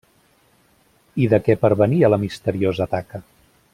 I de què pervenia la misteriosa taca?